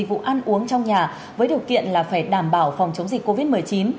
vụ ăn uống trong nhà với điều kiện là phải đảm bảo phòng chống dịch covid một mươi chín